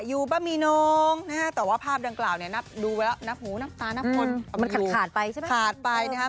อยู่บะหมีน้องนะฮะแต่ว่าภาพดังกล่าวเนี่ยนับดูไปแล้วนับหูนับตานับคนมันขาดขาดไปใช่ไหมขาดไปนะฮะ